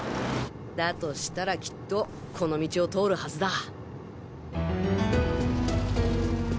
だとしたらきっとこの道を通るはずだ！